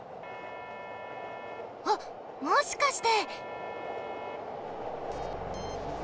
あっもしかして！